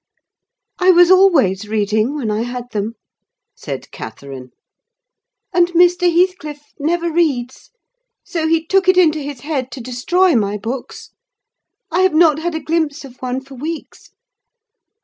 "I was always reading, when I had them," said Catherine; "and Mr. Heathcliff never reads; so he took it into his head to destroy my books. I have not had a glimpse of one for weeks.